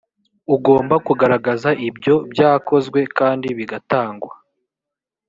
ugomba kugaragaza ibyo byakozwe kandi bigatangwa